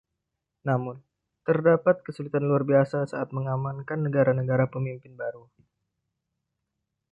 Namun, terdapat kesulitan luar biasa saat mengamankan negara-negara pemimpin baru.